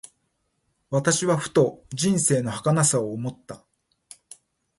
私はふと、人生の儚さを思った。